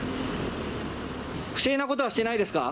不正なことはしてないですか？